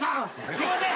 すいません。